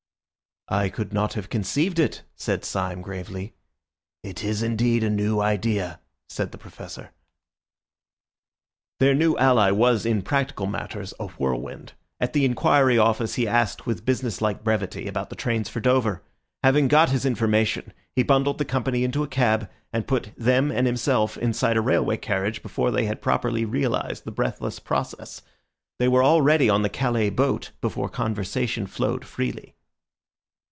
"I could not have conceived it," said Syme gravely. "It is indeed a new idea," said the Professor. Their new ally was in practical matters a whirlwind. At the inquiry office he asked with businesslike brevity about the trains for Dover. Having got his information, he bundled the company into a cab, and put them and himself inside a railway carriage before they had properly realised the breathless process. They were already on the Calais boat before conversation flowed freely.